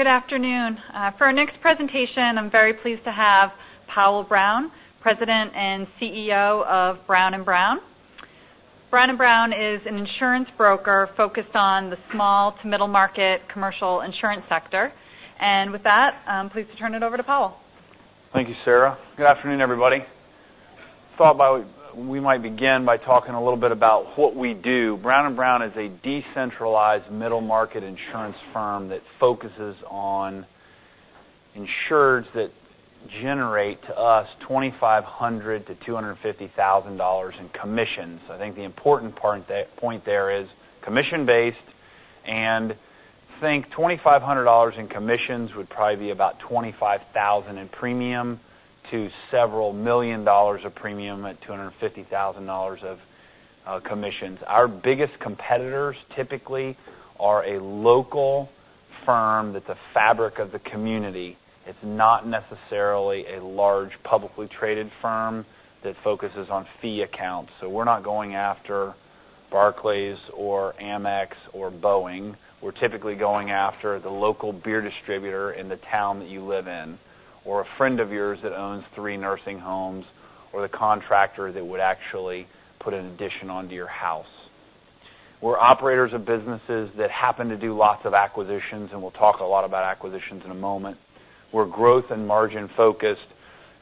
Good afternoon. For our next presentation, I'm very pleased to have Powell Brown, President and CEO of Brown & Brown. Brown & Brown is an insurance broker focused on the small to middle-market commercial insurance sector. With that, I'm pleased to turn it over to Powell. Thank you, Sarah. Good afternoon, everybody. Thought we might begin by talking a little bit about what we do. Brown & Brown is a decentralized middle-market insurance firm that focuses on insureds that generate, to us, $2,500 to $250,000 in commissions. I think the important point there is commission-based, think $2,500 in commissions would probably be about $25,000 in premium to several million dollars of premium at $250,000 of commissions. Our biggest competitors typically are a local firm that's a fabric of the community. It's not necessarily a large publicly traded firm that focuses on fee accounts. We're not going after Barclays or Amex or Boeing. We're typically going after the local beer distributor in the town that you live in, or a friend of yours that owns three nursing homes, or the contractor that would actually put an addition onto your house. We're operators of businesses that happen to do lots of acquisitions, we'll talk a lot about acquisitions in a moment. We're growth and margin focused,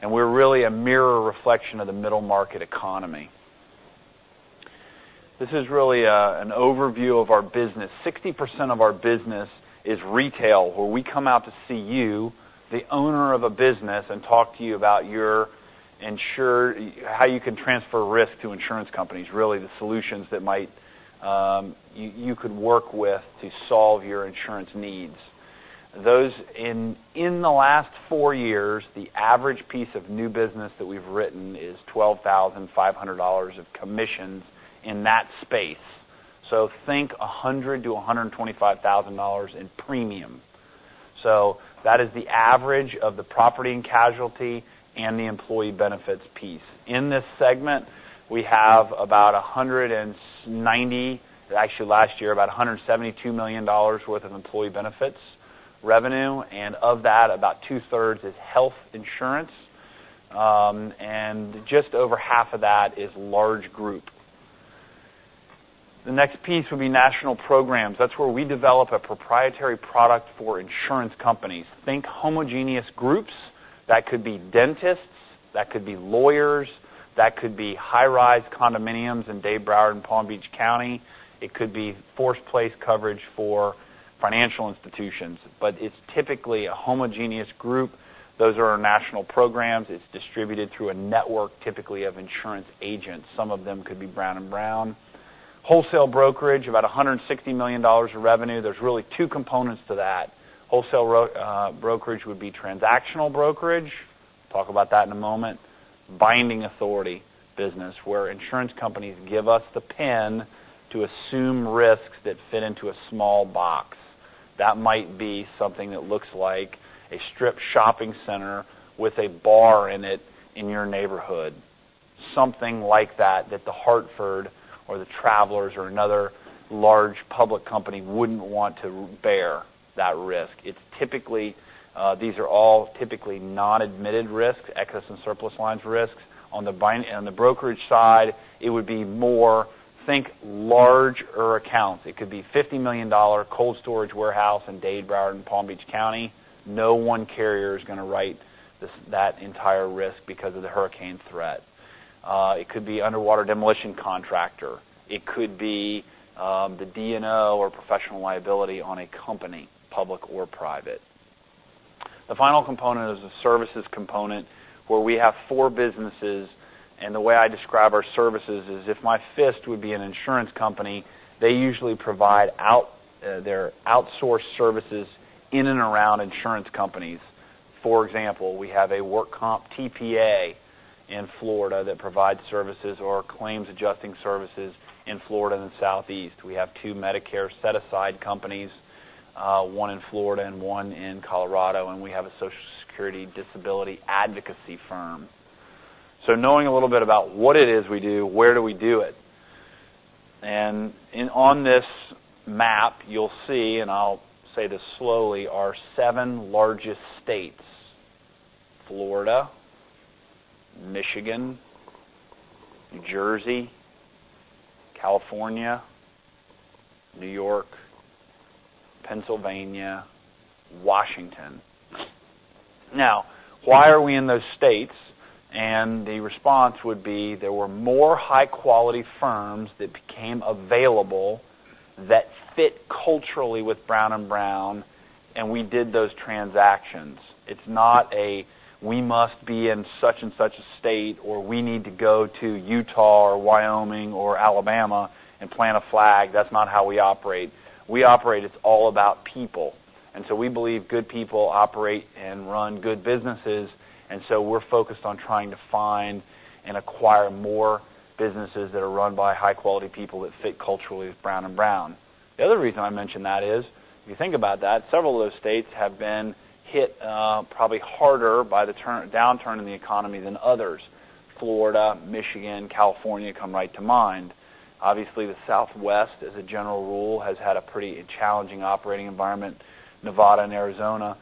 we're really a mirror reflection of the middle-market economy. This is really an overview of our business. 60% of our business is retail, where we come out to see you, the owner of a business, and talk to you about how you can transfer risk to insurance companies, really the solutions that you could work with to solve your insurance needs. In the last four years, the average piece of new business that we've written is $12,500 of commissions in that space. Think $100,000-$125,000 in premium. That is the average of the property and casualty and the employee benefits piece. In this segment, we have $172 million worth of employee benefits revenue, of that, about two-thirds is health insurance. Just over half of that is large group. The next piece would be national programs. That's where we develop a proprietary product for insurance companies. Think homogeneous groups. That could be dentists, that could be lawyers, that could be high-rise condominiums in Dade, Broward, and Palm Beach County. It could be force-placed coverage for financial institutions. It's typically a homogeneous group. Those are our national programs. It's distributed through a network, typically of insurance agents. Some of them could be Brown & Brown. Wholesale brokerage, about $160 million of revenue. There's really two components to that. Wholesale brokerage would be transactional brokerage. Talk about that in a moment. Binding authority business, where insurance companies give us the pen to assume risks that fit into a small box. That might be something that looks like a strip shopping center with a bar in it in your neighborhood. Something like that The Hartford or The Travelers or another large public company wouldn't want to bear that risk. These are all typically non-admitted risks, excess and surplus lines risks. On the brokerage side, it would be more, think larger accounts. It could be a $50 million cold storage warehouse in Dade, Broward, and Palm Beach County. No one carrier is going to write that entire risk because of the hurricane threat. It could be underwater demolition contractor. It could be the D&O or professional liability on a company, public or private. The final component is a services component where we have four businesses, and the way I describe our services is if my fist would be an insurance company, they usually provide their outsourced services in and around insurance companies. For example, we have a work comp TPA in Florida that provides services or claims adjusting services in Florida and the Southeast. We have two Medicare Set-Aside companies, one in Florida and one in Colorado, and we have a Social Security disability advocacy firm. Knowing a little bit about what it is we do, where do we do it? On this map, you'll see, and I'll say this slowly, our seven largest states, Florida, Michigan, New Jersey, California, New York, Pennsylvania, Washington. Why are we in those states? The response would be there were more high-quality firms that became available that fit culturally with Brown & Brown, Inc., and we did those transactions. It's not a we must be in such and such a state, or we need to go to Utah or Wyoming or Alabama and plant a flag. That's not how we operate. We operate. It's all about people. So we believe good people operate and run good businesses, and so we're focused on trying to find and acquire more businesses that are run by high-quality people that fit culturally with Brown & Brown, Inc. The other reason I mention that is, if you think about that, several of those states have been hit probably harder by the downturn in the economy than others. Florida, Michigan, California come right to mind. Obviously, the Southwest, as a general rule, has had a pretty challenging operating environment, Nevada and Arizona.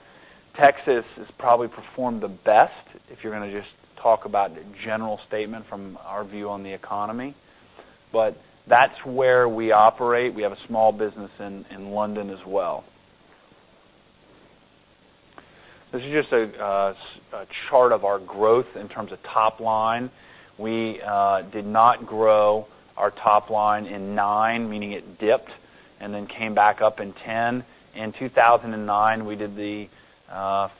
Texas has probably performed the best, if you're going to just talk about a general statement from our view on the economy. That's where we operate. We have a small business in London as well. This is just a chart of our growth in terms of top line. We did not grow our top line in 2009, meaning it dipped and then came back up in 2010. In 2009, we did the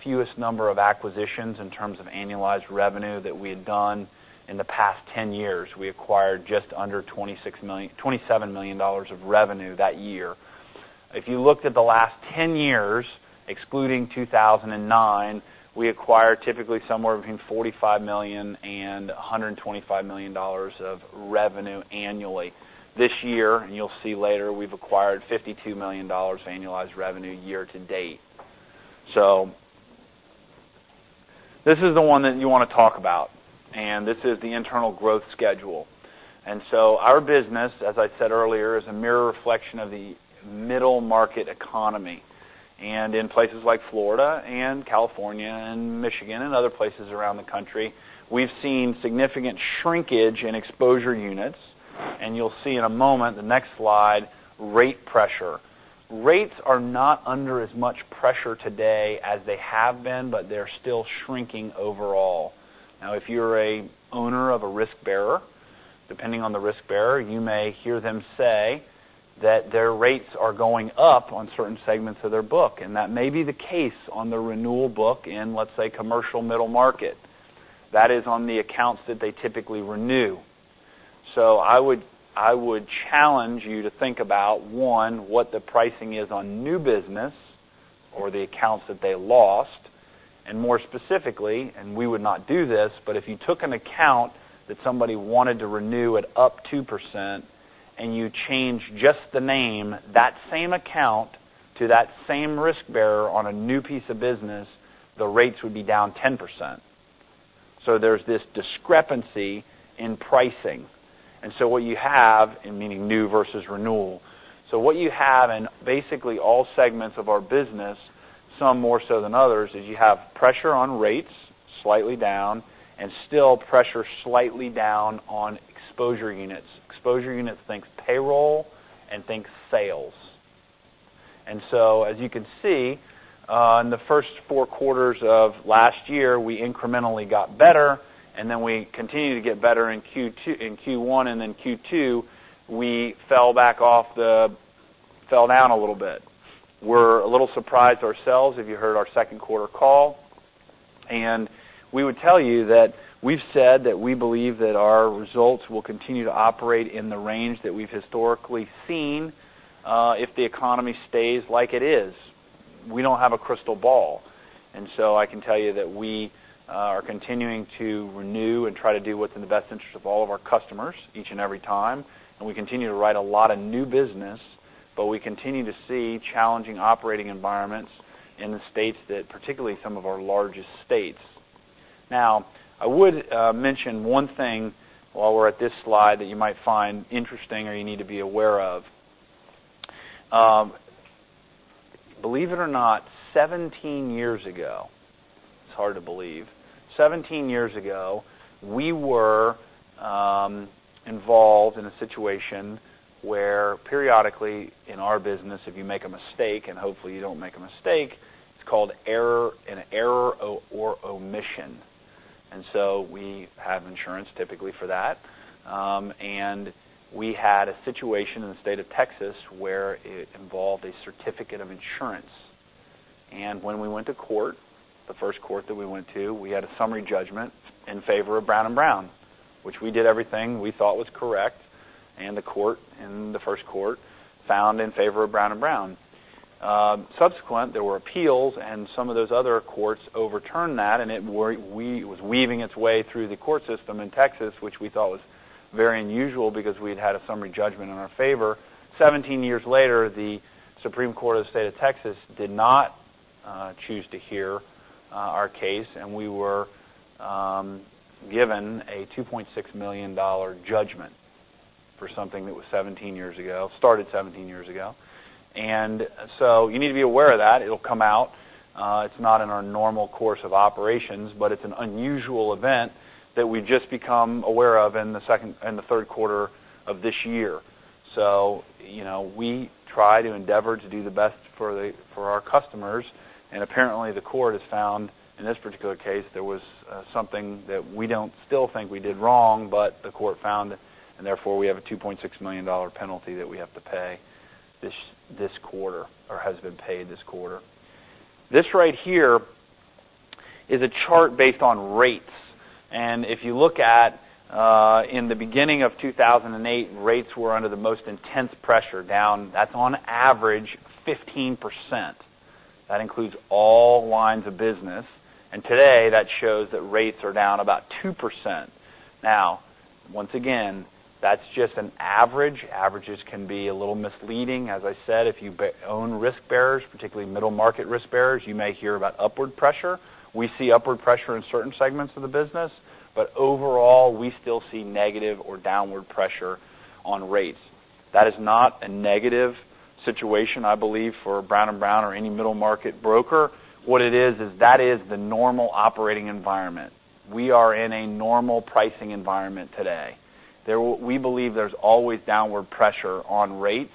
fewest number of acquisitions in terms of annualized revenue that we had done in the past 10 years. We acquired just under $27 million of revenue that year. If you looked at the last 10 years, excluding 2009, we acquired typically somewhere between $45 million and $125 million of revenue annually. This year, you'll see later, we've acquired $52 million annualized revenue year-to-date. This is the one that you want to talk about, and this is the internal growth schedule. Our business, as I said earlier, is a mirror reflection of the middle market economy. In places like Florida and California and Michigan and other places around the country, we've seen significant shrinkage in exposure units, and you'll see in a moment, the next slide, rate pressure. Rates are not under as much pressure today as they have been, but they're still shrinking overall. If you're a owner of a risk bearer, depending on the risk bearer, you may hear them say that their rates are going up on certain segments of their book, and that may be the case on the renewal book in, let's say, commercial middle market. That is on the accounts that they typically renew. I would challenge you to think about, one, what the pricing is on new business or the accounts that they lost, and more specifically, we would not do this, but if you took an account that somebody wanted to renew at up 2% and you change just the name, that same account to that same risk bearer on a new piece of business, the rates would be down 10%. There's this discrepancy in pricing. What you have, meaning new versus renewal. What you have in basically all segments of our business, some more so than others, is you have pressure on rates, slightly down, and still pressure slightly down on exposure units. Exposure units, think payroll and think sales. As you can see, in the first four quarters of last year, we incrementally got better, and then we continued to get better in Q1, and then Q2, we fell down a little bit. We're a little surprised ourselves, if you heard our second quarter call. We would tell you that we've said that we believe that our results will continue to operate in the range that we've historically seen, if the economy stays like it is. We don't have a crystal ball. I can tell you that we are continuing to renew and try to do what's in the best interest of all of our customers each and every time, and we continue to write a lot of new business, but we continue to see challenging operating environments in the states that, particularly some of our largest states. I would mention one thing while we're at this slide that you might find interesting or you need to be aware of. Believe it or not, 17 years ago, it's hard to believe, 17 years ago, we were involved in a situation where periodically in our business, if you make a mistake, and hopefully you don't make a mistake, it's called an error or omission. We have insurance typically for that. We had a situation in the state of Texas where it involved a Certificate of Insurance. When we went to court, the first court that we went to, we had a summary judgment in favor of Brown & Brown, which we did everything we thought was correct, and the court, in the first court, found in favor of Brown & Brown. Subsequent, there were appeals. Some of those other courts overturned that, and it was weaving its way through the court system in Texas, which we thought was very unusual because we'd had a summary judgment in our favor. 17 years later, the Supreme Court of Texas did not choose to hear our case, and we were given a $2.6 million judgment for something that started 17 years ago. You need to be aware of that. It'll come out. It's not in our normal course of operations, but it's an unusual event that we've just become aware of in the third quarter of this year. We try to endeavor to do the best for our customers. Apparently, the court has found, in this particular case, there was something that we don't still think we did wrong, but the court found it, and therefore, we have a $2.6 million penalty that we have to pay this quarter, or has been paid this quarter. This right here is a chart based on rates. If you look at in the beginning of 2008, rates were under the most intense pressure, down, that's on average, 15%. That includes all lines of business. Today, that shows that rates are down about 2%. Once again, that's just an average. Averages can be a little misleading. As I said, if you own risk bearers, particularly middle-market risk bearers, you may hear about upward pressure. We see upward pressure in certain segments of the business. Overall, we still see negative or downward pressure on rates. That is not a negative situation, I believe, for Brown & Brown or any middle-market broker. What it is that is the normal operating environment. We are in a normal pricing environment today. We believe there's always downward pressure on rates.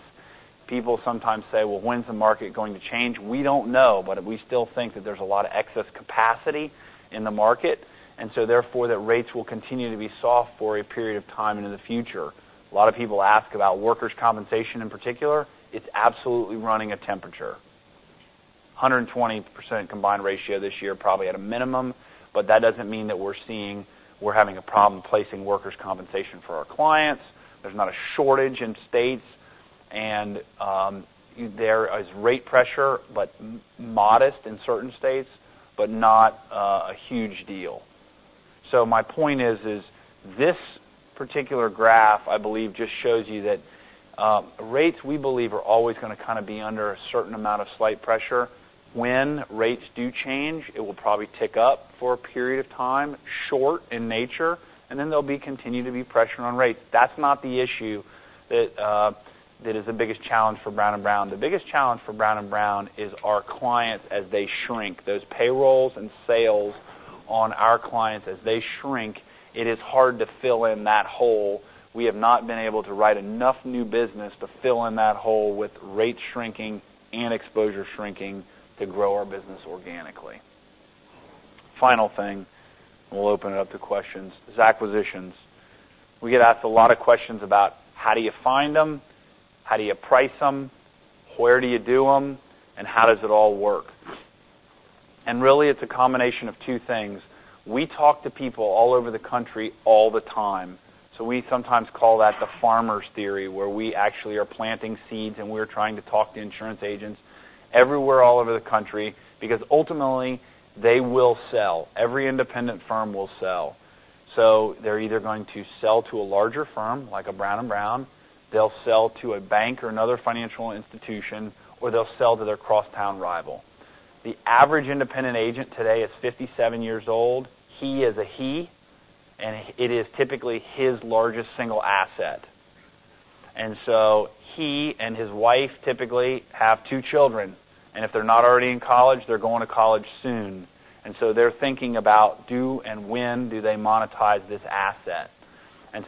People sometimes say, "Well, when's the market going to change?" We don't know, but we still think that there's a lot of excess capacity in the market, and so therefore, that rates will continue to be soft for a period of time into the future. A lot of people ask about workers' compensation in particular. It's absolutely running a temperature. 120% combined ratio this year, probably at a minimum, but that doesn't mean that we're having a problem placing workers' compensation for our clients. There's not a shortage in states, and there is rate pressure, but modest in certain states, but not a huge deal. My point is, this particular graph, I believe, just shows you that rates, we believe, are always going to kind of be under a certain amount of slight pressure. When rates do change, it will probably tick up for a period of time, short in nature, and then there'll be continue to be pressure on rates. That's not the issue that is the biggest challenge for Brown & Brown. The biggest challenge for Brown & Brown is our clients as they shrink. Those payrolls and sales on our clients as they shrink, it is hard to fill in that hole. We have not been able to write enough new business to fill in that hole with rates shrinking and exposure shrinking to grow our business organically. Final thing, and we'll open it up to questions, is acquisitions. We get asked a lot of questions about how do you find them, how do you price them, where do you do them, and how does it all work? Really, it's a combination of two things. We talk to people all over the country all the time. We sometimes call that the farmer's theory, where we actually are planting seeds, and we're trying to talk to insurance agents everywhere, all over the country, because ultimately, they will sell. Every independent firm will sell. They're either going to sell to a larger firm, like a Brown & Brown, they'll sell to a bank or another financial institution, or they'll sell to their cross-town rival. The average independent agent today is 57 years old. He is a he, and it is typically his largest single asset. He and his wife typically have two children, and if they're not already in college, they're going to college soon. They're thinking about do, and when do they monetize this asset?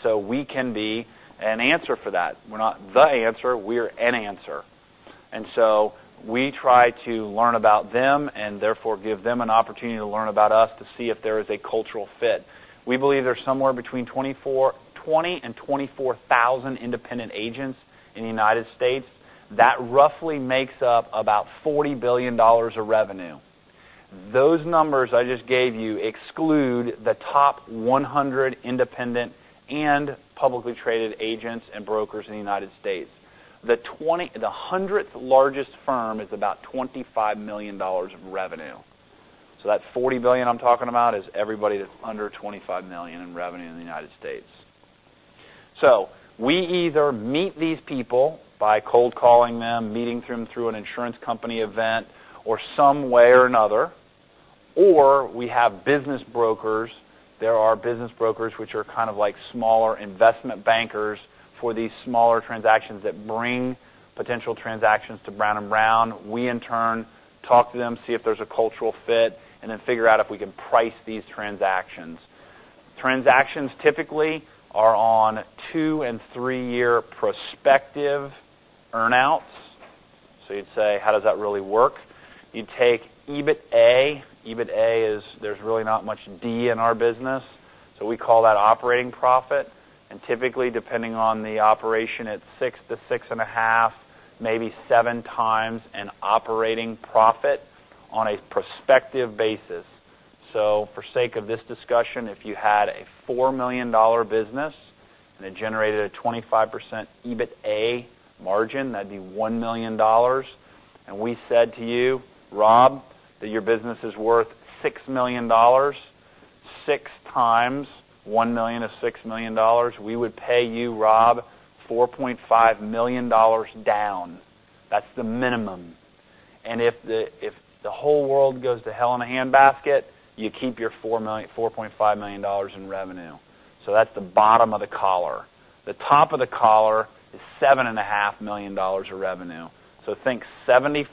We can be an answer for that. We're not the answer. We're an answer. We try to learn about them and therefore give them an opportunity to learn about us to see if there is a cultural fit. We believe there's somewhere between 20 and 24,000 independent agents in the U.S. That roughly makes up about $40 billion of revenue. Those numbers I just gave you exclude the top 100 independent and publicly traded agents and brokers in the U.S. The 100th largest firm is about $25 million of revenue. That $40 billion I'm talking about is everybody that's under $25 million in revenue in the U.S. We either meet these people by cold calling them, meeting them through an insurance company event, or some way or another, or we have business brokers. There are business brokers which are kind of like smaller investment bankers for these smaller transactions that bring potential transactions to Brown & Brown. We, in turn, talk to them, see if there's a cultural fit, and then figure out if we can price these transactions. Transactions typically are on two and three-year prospective earn-outs. You'd say, how does that really work? You take EBITA. EBITA is there's really not much D in our business. We call that operating profit, and typically, depending on the operation, it's six to six and a half, maybe seven times an operating profit on a prospective basis. For sake of this discussion, if you had a $4 million business and it generated a 25% EBITA margin, that'd be $1 million. We said to you, Rob, that your business is worth $6 million. Six times $1 million is $6 million. We would pay you, Rob, $4.5 million down. That's the minimum. If the whole world goes to hell in a handbasket, you keep your $4.5 million in revenue. That's the bottom of the collar. The top of the collar is $7.5 million of revenue. Think 75%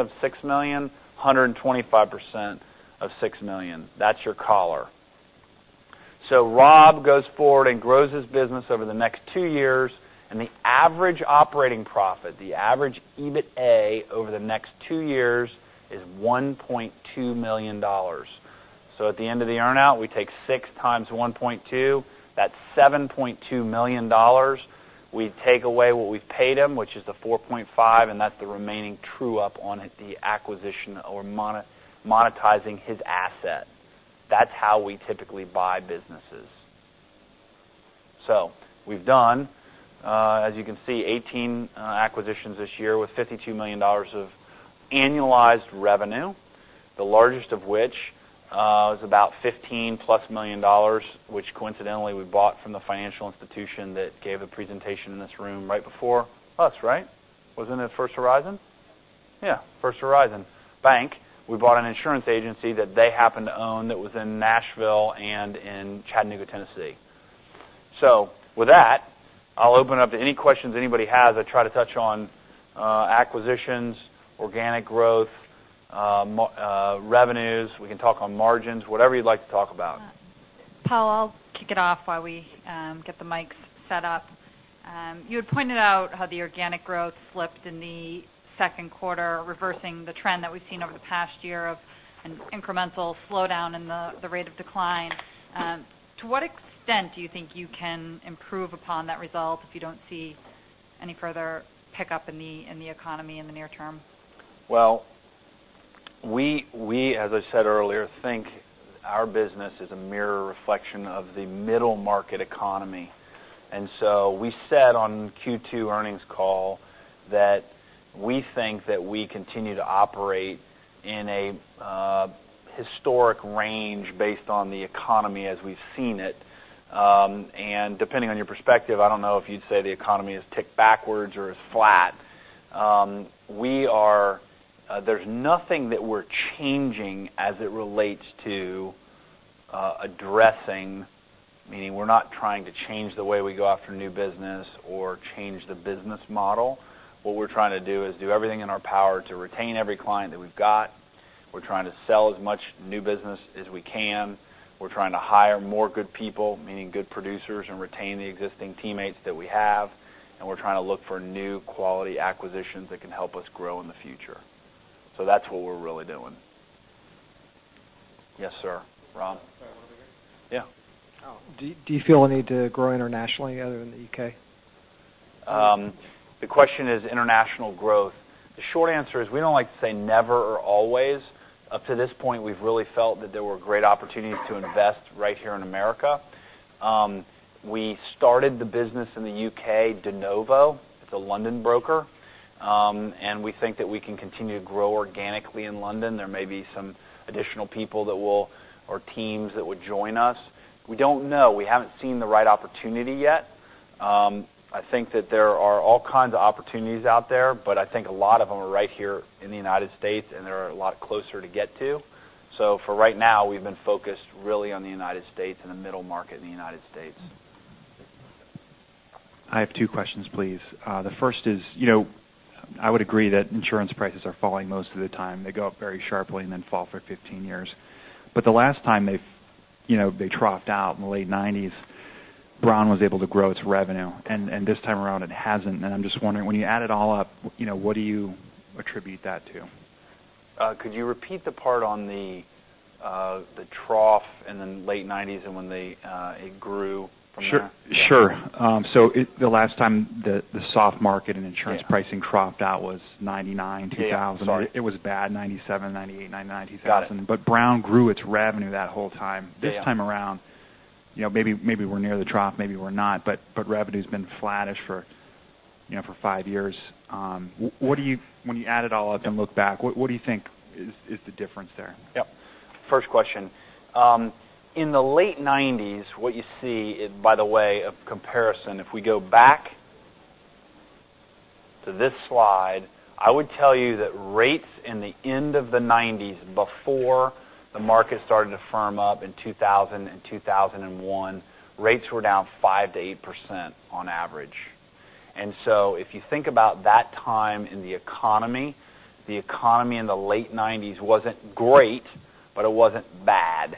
of $6 million, 125% of $6 million. That's your collar. Rob goes forward and grows his business over the next two years, and the average operating profit, the average EBITA over the next two years is $1.2 million. At the end of the earn-out, we take six times 1.2, that's $7.2 million. We take away what we've paid him, which is the $4.5, and that's the remaining true-up on the acquisition or monetizing his asset. That's how we typically buy businesses. We've done, as you can see, 18 acquisitions this year with $52 million of annualized revenue. The largest of which is about $15+ million, which coincidentally we bought from the financial institution that gave a presentation in this room right before us, right? Wasn't it First Horizon? Yeah, First Horizon Bank. We bought an insurance agency that they happened to own that was in Nashville and in Chattanooga, Tennessee. With that, I'll open up to any questions anybody has. I try to touch on acquisitions, organic growth, revenues. We can talk on margins, whatever you'd like to talk about. Powell, I'll kick it off while we get the mics set up. You had pointed out how the organic growth slipped in the second quarter, reversing the trend that we've seen over the past year of an incremental slowdown in the rate of decline. To what extent do you think you can improve upon that result if you don't see any further pickup in the economy in the near term? Well, we, as I said earlier, think our business is a mirror reflection of the middle market economy. We said on Q2 earnings call that we think that we continue to operate in a historic range based on the economy as we've seen it. Depending on your perspective, I don't know if you'd say the economy has ticked backwards or is flat. There's nothing that we're changing as it relates to addressing, meaning we're not trying to change the way we go after new business or change the business model. What we're trying to do is do everything in our power to retain every client that we've got. We're trying to sell as much new business as we can. We're trying to hire more good people, meaning good producers, and retain the existing teammates that we have. We're trying to look for new quality acquisitions that can help us grow in the future. That's what we're really doing. Yes, sir. Rob. Sorry, one more time. Yeah. Do you feel a need to grow internationally other than the U.K.? The question is international growth. The short answer is we don't like to say never or always. Up to this point, we've really felt that there were great opportunities to invest right here in America. We started the business in the U.K., de novo, with a London broker. We think that we can continue to grow organically in London. There may be some additional people that will, or teams that would join us. We don't know. We haven't seen the right opportunity yet. I think that there are all kinds of opportunities out there, I think a lot of them are right here in the United States, and they are a lot closer to get to. For right now, we've been focused really on the United States and the middle market in the United States. I have two questions, please. The first is, I would agree that insurance prices are falling most of the time. They go up very sharply and then fall for 15 years. The last time they troughed out in the late '90s, Brown was able to grow its revenue, and this time around it hasn't. I'm just wondering, when you add it all up, what do you attribute that to? Could you repeat the part on the trough in the late '90s and when it grew from that? Sure. The last time the soft market and insurance pricing troughed out was '99, 2000. Yeah. Sorry. It was bad in '97, '98, '99, 2000. Got it. Brown grew its revenue that whole time. Yeah. This time around, maybe we're near the trough, maybe we're not, but revenue's been flattish for five years. When you add it all up and look back, what do you think is the difference there? Yep. First question. In the late '90s, what you see, by the way of comparison, if we go back to this slide, I would tell you that rates in the end of the '90s, before the market started to firm up in 2000 and 2001, rates were down 5%-8% on average. If you think about that time in the economy, the economy in the late '90s wasn't great, but it wasn't bad.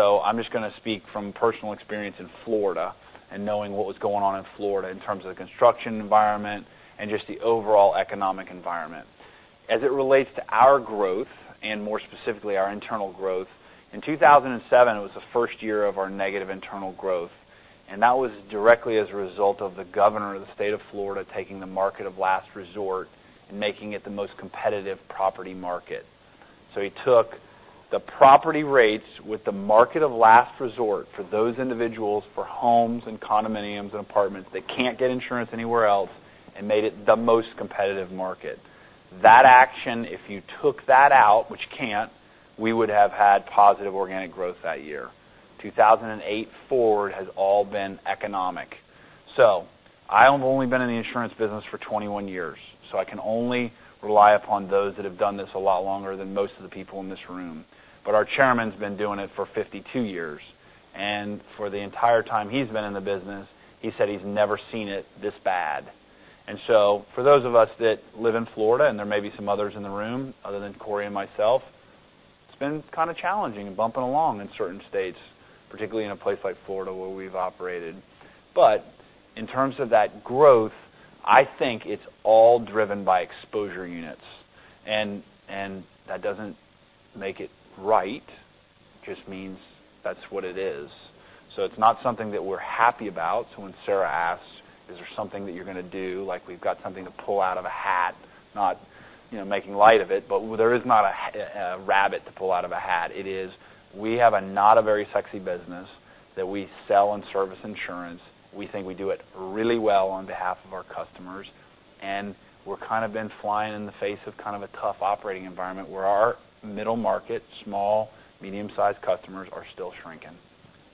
I'm just going to speak from personal experience in Florida and knowing what was going on in Florida in terms of the construction environment and just the overall economic environment. As it relates to our growth, and more specifically our internal growth, in 2007, it was the first year of our negative internal growth, and that was directly as a result of the governor of the state of Florida taking the market of last resort and making it the most competitive property market. He took the property rates with the market of last resort for those individuals, for homes and condominiums and apartments that can't get insurance anywhere else, and made it the most competitive market. That action, if you took that out, which you can't, we would have had positive organic growth that year. 2008 forward has all been economic. I have only been in the insurance business for 21 years, so I can only rely upon those that have done this a lot longer than most of the people in this room, but our chairman's been doing it for 52 years. For the entire time he's been in the business, he said he's never seen it this bad. For those of us that live in Florida, and there may be some others in the room other than Corey and myself, it's been kind of challenging and bumping along in certain states, particularly in a place like Florida where we've operated. In terms of that growth, I think it's all driven by exposure units, and that doesn't make it right. It just means that's what it is. It's not something that we're happy about. When Sarah asks, "Is there something that you're going to do?" like we've got something to pull out of a hat, not making light of it, but there is not a rabbit to pull out of a hat. It is, we have a not a very sexy business that we sell and service insurance. We think we do it really well on behalf of our customers, and we're kind of been flying in the face of kind of a tough operating environment where our middle market, small, medium-sized customers are still shrinking.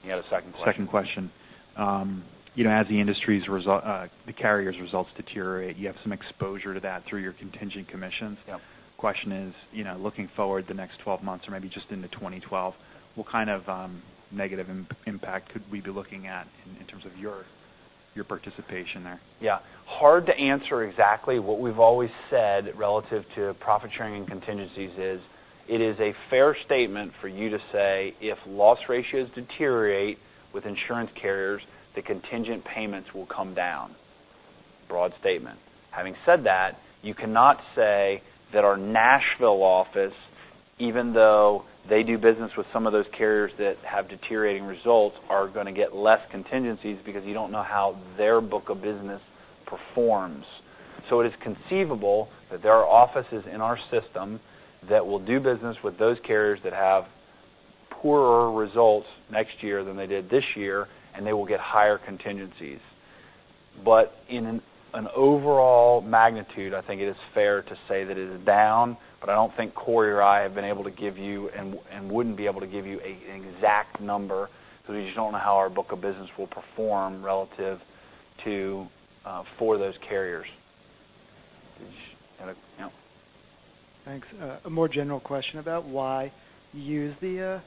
You had a second question. Second question. As the carrier's results deteriorate, you have some exposure to that through your contingent commissions. Yep. Question is, looking forward the next 12 months or maybe just into 2012, what kind of negative impact could we be looking at in terms of your participation there? Hard to answer exactly. What we've always said relative to profit sharing and contingencies is it is a fair statement for you to say if loss ratios deteriorate with insurance carriers, the contingent payments will come down. Broad statement. Having said that, you cannot say that our Nashville office, even though they do business with some of those carriers that have deteriorating results, are going to get less contingencies because you don't know how their book of business performs. It is conceivable that there are offices in our system that will do business with those carriers that have poorer results next year than they did this year, and they will get higher contingencies. In an overall magnitude, I think it is fair to say that it is down, but I don't think Corey or I have been able to give you, and wouldn't be able to give you, an exact number because we just don't know how our book of business will perform relative to for those carriers. Did you have a Yeah. Thanks. A more general question about why you use the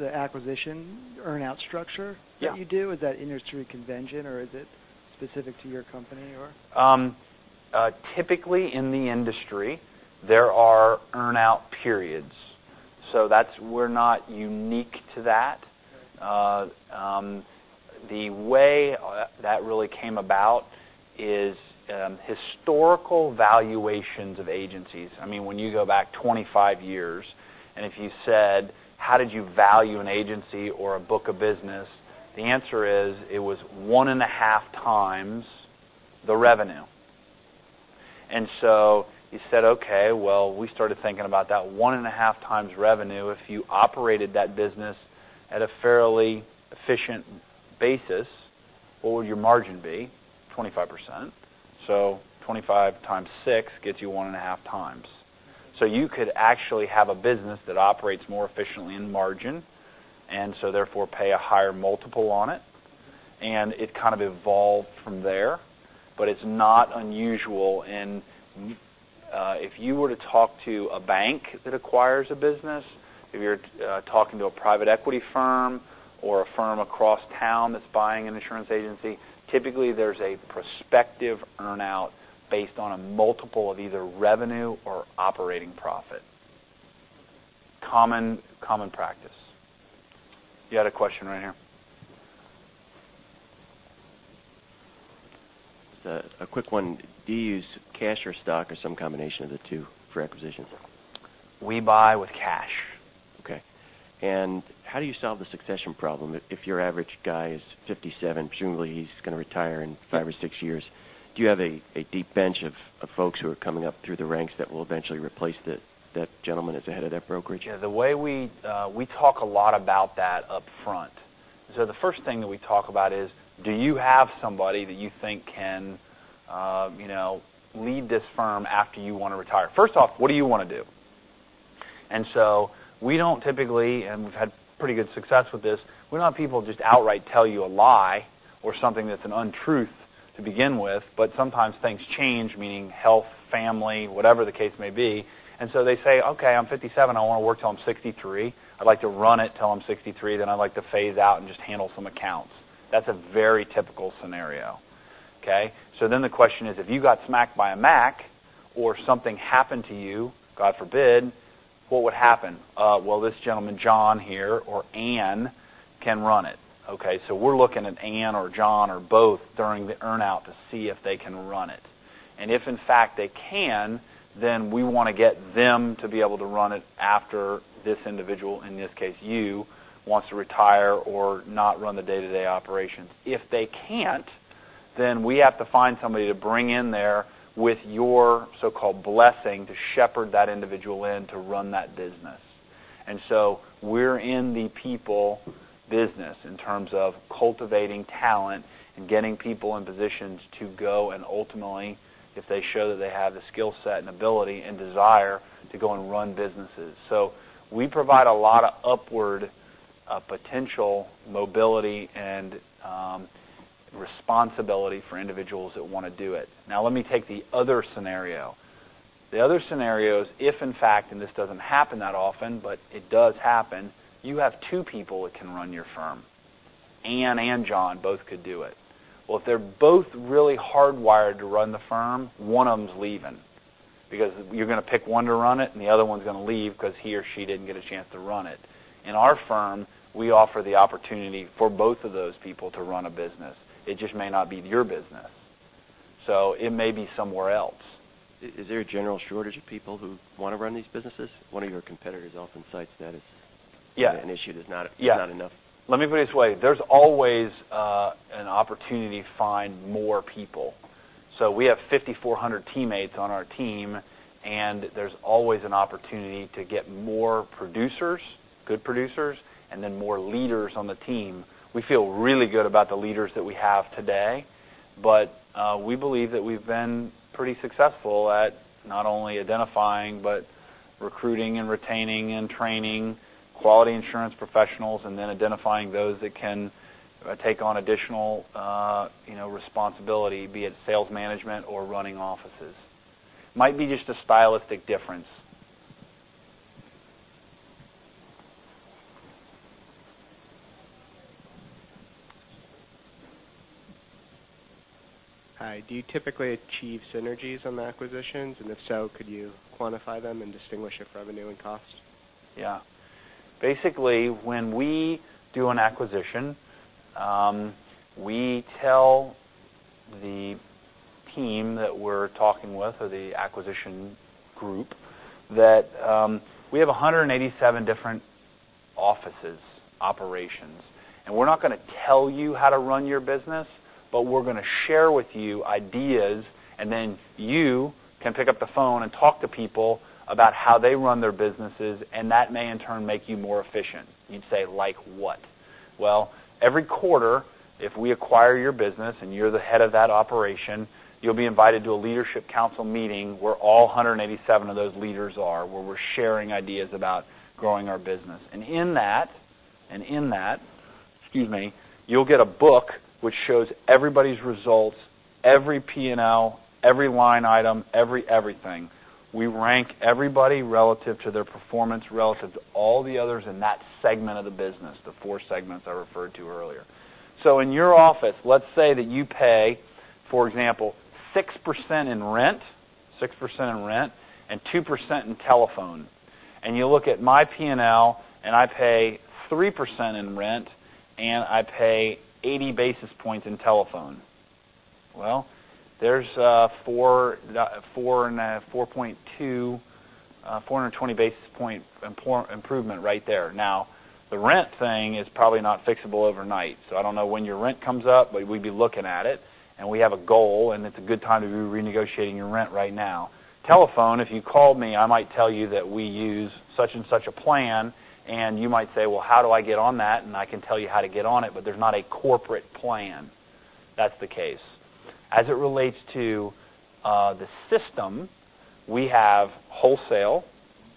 acquisition earn-out structure. Yeah that you do. Is that industry convention, or is it specific to your company, or? Typically, in the industry, there are earn-out periods. We're not unique to that. Okay. The way that really came about is historical valuations of agencies. When you go back 25 years, if you said, "How did you value an agency or a book of business?" The answer is it was 1.5x the revenue. You said, "Okay." Well, we started thinking about that 1.5x revenue, if you operated that business at a fairly efficient basis, what would your margin be? 25%. 25 times six gets you 1.5x. You could actually have a business that operates more efficiently in margin, and so therefore pay a higher multiple on it, and it kind of evolved from there, but it's not unusual. If you were to talk to a bank that acquires a business, if you're talking to a private equity firm or a firm across town that's buying an insurance agency, typically there's a prospective earn-out based on a multiple of either revenue or operating profit. Common practice. You had a question right here. Just a quick one. Do you use cash or stock or some combination of the two for acquisitions? We buy with cash. Okay. How do you solve the succession problem? If your average guy is 57, presumably he's going to retire in five or six years. Do you have a deep bench of folks who are coming up through the ranks that will eventually replace the gentleman that's the head of that brokerage? Yeah, we talk a lot about that upfront. The first thing that we talk about is, do you have somebody that you think can lead this firm after you want to retire? First off, what do you want to do? We don't typically, and we've had pretty good success with this, we don't want people to just outright tell you a lie or something that's an untruth to begin with, sometimes things change, meaning health, family, whatever the case may be, they say, "Okay, I'm 57. I want to work till I'm 63. I'd like to run it till I'm 63, then I'd like to phase out and just handle some accounts." That's a very typical scenario. Okay? The question is, if you got smacked by a Mack or something happened to you, God forbid, what would happen? Well, this gentleman John here or Anne can run it. Okay, we're looking at Anne or John or both during the earn-out to see if they can run it. If in fact they can, we want to get them to be able to run it after this individual, in this case you, wants to retire or not run the day-to-day operations. If they can't, we have to find somebody to bring in there with your so-called blessing to shepherd that individual in to run that business. We're in the people business in terms of cultivating talent and getting people in positions to go and ultimately, if they show that they have the skill set and ability and desire, to go and run businesses. We provide a lot of upward potential mobility and responsibility for individuals that want to do it. Let me take the other scenario. The other scenario is if in fact, and this doesn't happen that often, but it does happen, you have two people that can run your firm. Anne and John both could do it. Well, if they're both really hardwired to run the firm, one of them's leaving because you're going to pick one to run it and the other one's going to leave because he or she didn't get a chance to run it. In our firm, we offer the opportunity for both of those people to run a business. It just may not be your business, it may be somewhere else. Is there a general shortage of people who want to run these businesses? One of your competitors often cites that as- Yeah an issue, there's not enough. Let me put it this way. There's always an opportunity to find more people. We have 5,400 teammates on our team, and there's always an opportunity to get more producers, good producers, and more leaders on the team. We feel really good about the leaders that we have today. We believe that we've been pretty successful at not only identifying, but recruiting and retaining and training quality insurance professionals, and then identifying those that can take on additional responsibility, be it sales management or running offices. Might be just a stylistic difference. Hi. Do you typically achieve synergies on the acquisitions? If so, could you quantify them and distinguish it from revenue and cost? Basically, when we do an acquisition, we tell the team that we're talking with or the acquisition group that we have 187 different offices, operations. We're not going to tell you how to run your business, but we're going to share with you ideas, and then you can pick up the phone and talk to people about how they run their businesses, and that may in turn make you more efficient. You'd say, "Like what?" Well, every quarter, if we acquire your business and you're the head of that operation, you'll be invited to a Leadership Council meeting where all 187 of those leaders are, where we're sharing ideas about growing our business. In that, you'll get a book which shows everybody's results, every P&L, every line item, every everything. We rank everybody relative to their performance, relative to all the others in that segment of the business, the four segments I referred to earlier. In your office, let's say that you pay, for example, 6% in rent and 2% in telephone. You look at my P&L and I pay 3% in rent, and I pay 80 basis points in telephone. Well, there's a 4.2, 420 basis point improvement right there. Now, the rent thing is probably not fixable overnight. I don't know when your rent comes up, but we'd be looking at it, and we have a goal, and it's a good time to be renegotiating your rent right now. Telephone, if you called me, I might tell you that we use such and such a plan, and you might say, "Well, how do I get on that?" I can tell you how to get on it, but there's not a corporate plan. That's the case. As it relates to the system, we have wholesale.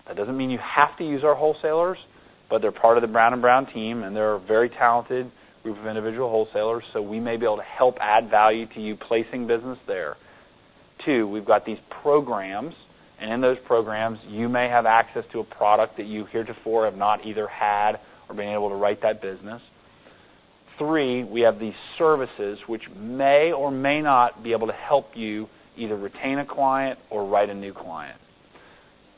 That doesn't mean you have to use our wholesalers, but they're part of the Brown & Brown team, and they're a very talented group of individual wholesalers. We may be able to help add value to you placing business there. Two, we've got these programs. In those programs, you may have access to a product that you heretofore have not either had or been able to write that business. Three, we have these services which may or may not be able to help you either retain a client or write a new client.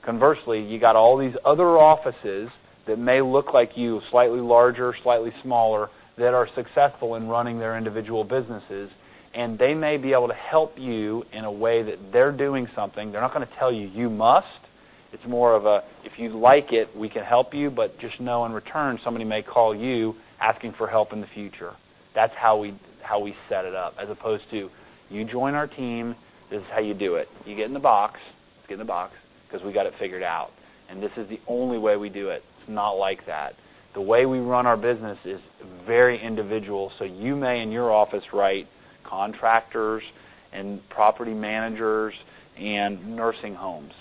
Conversely, you got all these other offices that may look like you, slightly larger, slightly smaller, that are successful in running their individual businesses, and they may be able to help you in a way that they're doing something. They're not going to tell you must. It's more of a, if you like it, we can help you. Just know in return, somebody may call you asking for help in the future. That's how we set it up, as opposed to, you join our team, this is how you do it. You get in the box because we got it figured out, and this is the only way we do it. It's not like that. The way we run our business is very individual. You may, in your office, write contractors and property managers and nursing homes,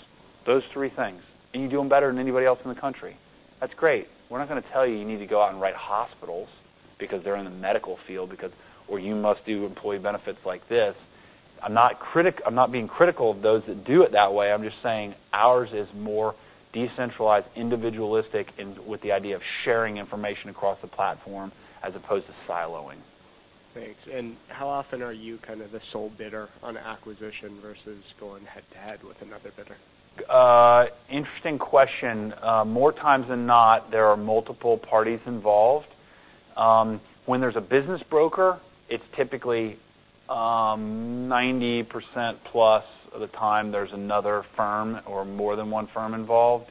those three things. You're doing better than anybody else in the country. That's great. We're not going to tell you you need to go out and write hospitals because they're in the medical field or you must do employee benefits like this. I'm not being critical of those that do it that way, I'm just saying ours is more decentralized, individualistic, and with the idea of sharing information across the platform as opposed to siloing. Thanks. How often are you the sole bidder on acquisition versus going head-to-head with another bidder? Interesting question. More times than not, there are multiple parties involved. When there's a business broker, it's typically 90% plus of the time there's another firm or more than one firm involved.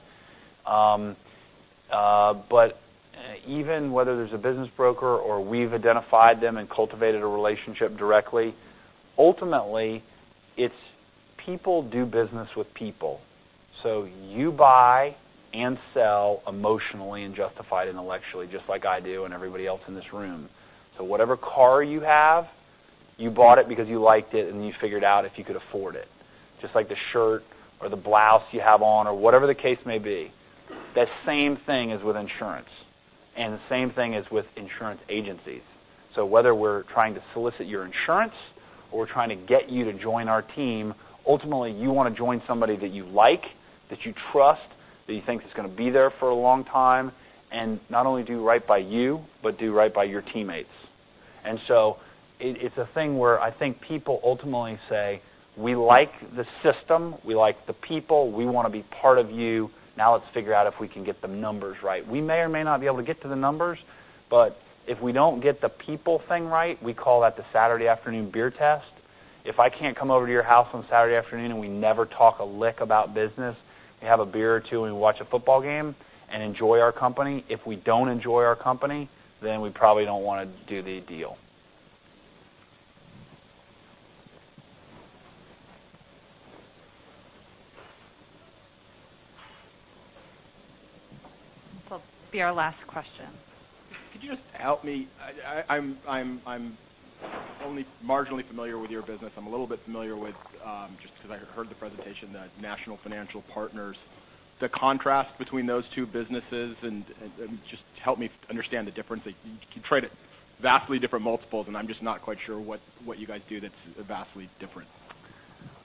Even whether there's a business broker or we've identified them and cultivated a relationship directly, ultimately it's people do business with people. You buy and sell emotionally and justify it intellectually, just like I do and everybody else in this room. Whatever car you have, you bought it because you liked it and you figured out if you could afford it. Just like the shirt or the blouse you have on or whatever the case may be. The same thing is with insurance, and the same thing is with insurance agencies. Whether we're trying to solicit your insurance or trying to get you to join our team, ultimately, you want to join somebody that you like, that you trust, that you think is going to be there for a long time, and not only do right by you, but do right by your teammates. It's a thing where I think people ultimately say, we like the system, we like the people, we want to be part of you. Now let's figure out if we can get the numbers right. We may or may not be able to get to the numbers, but if we don't get the people thing right, we call that the Saturday afternoon beer test. If I can't come over to your house on Saturday afternoon and we never talk a lick about business, we have a beer or two and we watch a football game and enjoy our company, if we don't enjoy our company, then we probably don't want to do the deal. This will be our last question. Could you just help me? I'm only marginally familiar with your business. I'm a little bit familiar with, just because I heard the presentation, that National Financial Partners, the contrast between those two businesses, and just help me understand the difference. You trade at vastly different multiples, and I'm just not quite sure what you guys do that's vastly different.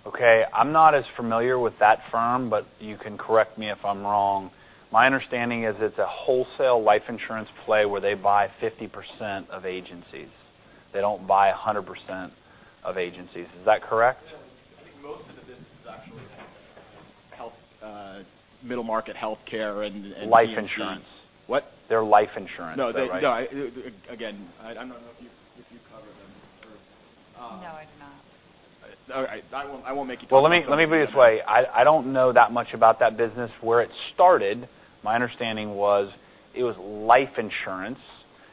Okay. I'm not as familiar with that firm. You can correct me if I'm wrong. My understanding is it's a wholesale life insurance play where they buy 50% of agencies. They don't buy 100% of agencies. Is that correct? Yeah. I think most of the business is actually health, middle market healthcare, and Life insurance. What? They're life insurance. Is that right? No. Again, I don't know if you cover them or No, I do not. All right. I won't make you- Let me put it this way. I don't know that much about that business. Where it started, my understanding was it was life insurance,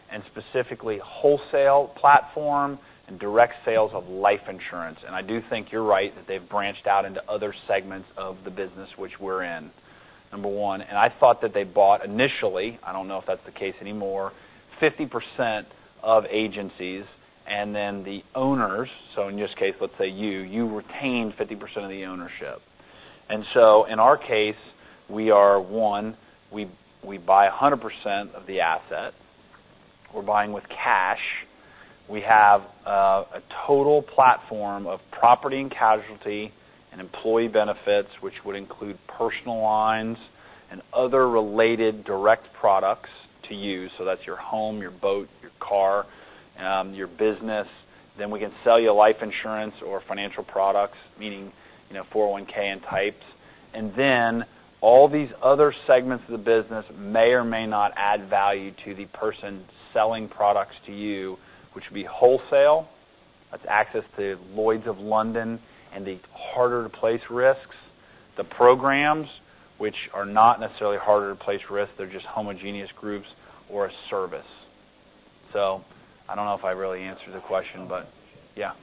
and specifically wholesale platform and direct sales of life insurance, I do think you're right that they've branched out into other segments of the business which we're in, number one. I thought that they bought initially, I don't know if that's the case anymore, 50% of agencies, and then the owners, so in this case let's say you retained 50% of the ownership. In our case, we are one, we buy 100% of the asset. We're buying with cash. We have a total platform of property and casualty and employee benefits, which would include personal lines and other related direct products to you. That's your home, your boat, your car, your business. We can sell you life insurance or financial products, meaning 401(k) and types. All these other segments of the business may or may not add value to the person selling products to you, which would be wholesale. That's access to Lloyd's of London and the harder to place risks, the programs which are not necessarily harder to place risks, they're just homogeneous groups or a service. I don't know if I really answered the question, but yeah. All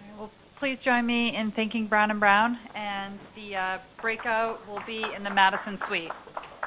right. Well, please join me in thanking Brown & Brown, and the breakout will be in the Madison Suite. Great.